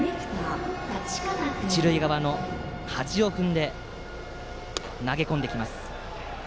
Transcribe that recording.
一塁側の端を踏んで投げ込んできます。